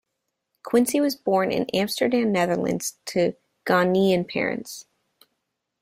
Quincy was born in Amsterdam, Netherlands, to Ghanaian parents.